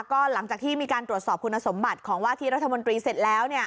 ก็หลังจากที่มีการตรวจสอบคุณสมบัติของว่าที่รัฐมนตรีเสร็จแล้ว